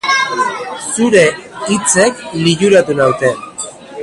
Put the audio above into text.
Zure hitzek liluratu naute.